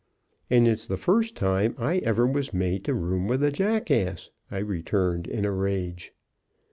"And it's the first time I ever was made to room with a jackass," I returned, in a rage.